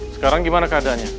sekarang gimana keadaannya